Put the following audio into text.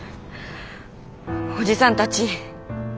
おじさんたち